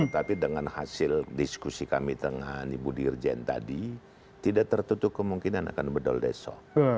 tapi dengan hasil diskusi kami dengan ibu dirjen tadi tidak tertutup kemungkinan akan bedol deso